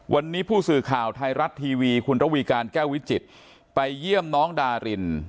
วันนี้ผู้สื่อข่าวไทยรัฐทีวีคุณระวีการแก้ววิจิตรไปเยี่ยมน้องดาริน